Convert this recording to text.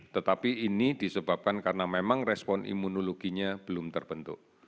tetapi ini disebabkan karena memang respon imunologinya belum terbentuk